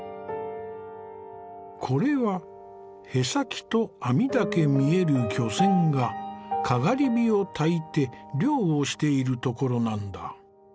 これは舳先と網だけ見える漁船がかがり火をたいて漁をしているところなんだ。